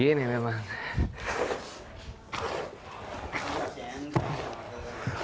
ini masih enteng